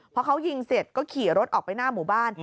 พอเขายิงเสร็จก็ขี่รถออกไปหน้าหมู่บ้าน